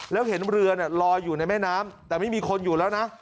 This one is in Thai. แล้วเห็นเรือลอยอยู่ในแม่น้ำแต่ไม่มีคนอยู่แล้วนะ